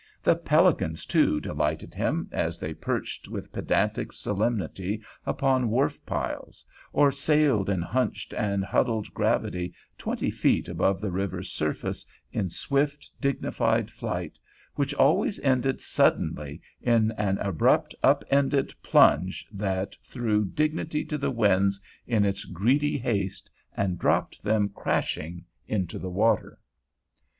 The pelicans, too, delighted him as they perched with pedantic solemnity upon wharf piles, or sailed in hunched and huddled gravity twenty feet above the river's surface in swift, dignified flight, which always ended suddenly in an abrupt, up ended plunge that threw dignity to the winds in its greedy haste, and dropped them crashing into the water.